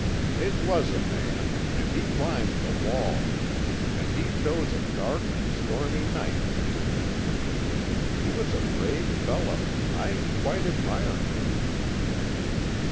"It was a man, and he climbed the wall. And he chose a dark and stormy night for his adventure. He was a brave fellow. I quite admire him."